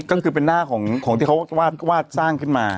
ก็คือเป็นหน้าของที่เขาวาดสร้างขึ้นมา